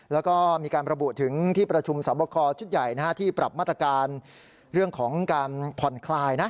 แล้วก็มีการระบุถึงที่ประชุมสอบคอชุดใหญ่ที่ปรับมาตรการเรื่องของการผ่อนคลายนะ